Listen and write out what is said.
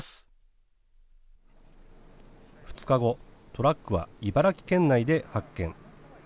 ２日後、トラックは茨城県内で発見。